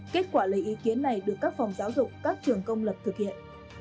kết quả lấy ý kiến này được các phòng giáo dục các trường công lập thực hiện